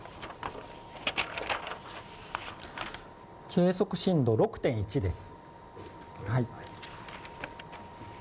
計測震度６．１です。